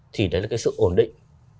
thì đấy là cái sự ổn định